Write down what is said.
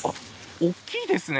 大きいですね！